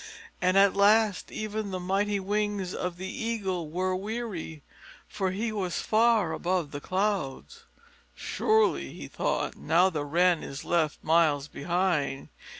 And at last even the mighty wings of the Eagle were weary, for he was far above the clouds. "Surely," he thought, "now the Wren is left miles behind."